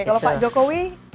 kalau pak jokowi